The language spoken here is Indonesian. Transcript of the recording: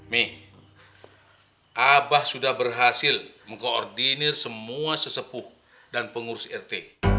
mei abah sudah berhasil mengkoordinir semua sesepuh dan pengurus rt